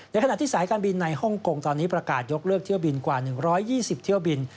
ขณะที่สายการบินในฮ่องกงตอนนี้ประกาศยกเลิกเที่ยวบินกว่า๑๒๐เที่ยวบิน